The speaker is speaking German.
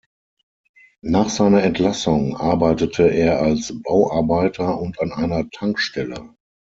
Nach seiner Entlassung arbeitete er als Bauarbeiter und an einer Tankstelle.